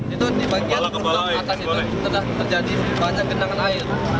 itu di bagian atas itu terjadi banyak genangan air